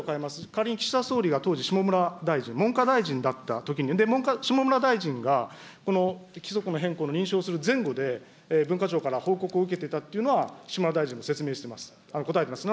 仮に岸田総理が当時、下村大臣、文科大臣だったときに、下村大臣がこの規則の変更の認証をする前後で文化庁から報告を受けてたというのは、下村大臣も説明しています、答えてます。